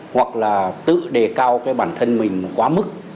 hoặc là tự đề cao cái bản thân mình quá mức